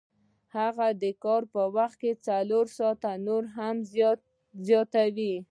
هغه د کار وخت څلور ساعته نور هم زیاتوي